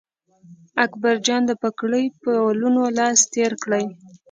اکبرجان د پګړۍ په ولونو لاس تېر کړ.